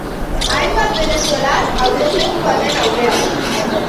Hainbat venezuelar hautesleku baten aurrean.